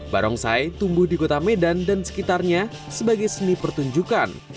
barongsai tumbuh di kota medan dan sekitarnya sebagai seni pertunjukan